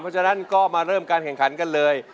เพราะฉะนั้นก็มาเริ่มการแข่งขันกันเลย